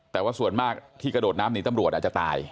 แต่ว่าส่วนมากที่กระโดดน้ำหนีตำรวจอาจจะตาย